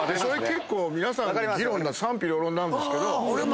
結構皆さん議論が賛否両論なんですけど。